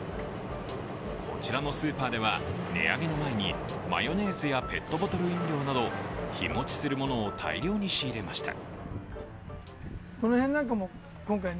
こちらのスーパーでは、値上げの前にマヨネーズやペットボトル飲料など日もちするものを大量に仕入れました。